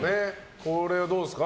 これはどうですか。